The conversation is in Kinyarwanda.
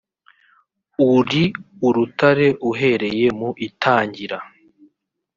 uri urutare uhereye mu itangira